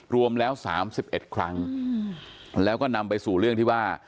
รวมแล้ว๓๑ครั้งแล้วก็นำไปสู่เรื่องที่ว่า